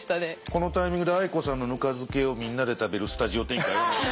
このタイミングであい子さんのぬか漬けをみんなで食べるスタジオ展開はない？